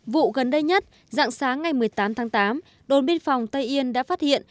vụ gần đây nhất dạng sáng ngày một mươi tám tháng tám đồn biên phòng tây yên đã phát hiện